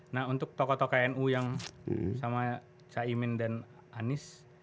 nah untuk tokoh tokoh nu yang sama caimin dan anies